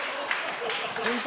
先輩。